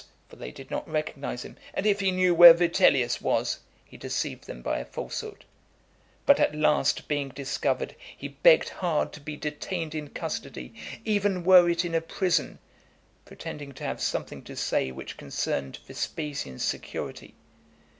(for they did not recognize him), "and if he knew where Vitellius was?" he deceived them by a falsehood. But at last being discovered, he begged hard to be detained in custody, even were it in a prison; pretending to have something to say which concerned Vespasian's security.